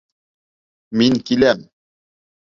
Мин киләм!..